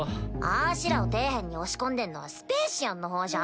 あしらを底辺に押し込んでんのはスペーシアンの方じゃん。